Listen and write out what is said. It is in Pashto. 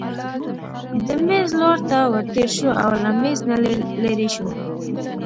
د مېز لور ته ورتېر شو او له مېز نه لیرې شو.